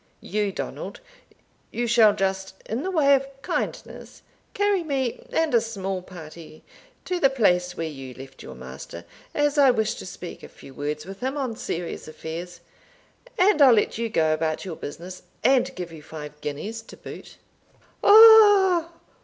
You, Donald you shall just, in the way of kindness, carry me and a small party to the place where you left your master, as I wish to speak a few words with him on serious affairs; and I'll let you go about your business, and give you five guineas to boot." "Oigh!